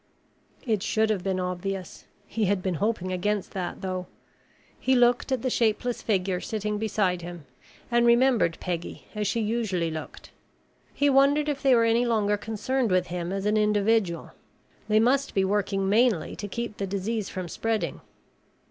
It should have been obvious; he had been hoping against that, though. He looked at the shapeless figure sitting beside him and remembered Peggy as she usually looked. He wondered if they were any longer concerned with him as an individual. They must be working mainly to keep the disease from spreading.